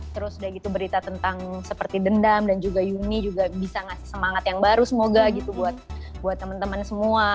terus udah gitu berita tentang seperti dendam dan juga yuni juga bisa ngasih semangat yang baru semoga gitu buat temen temen semua